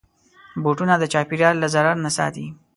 بوټونه د چاپېریال له ضرر نه ساتي.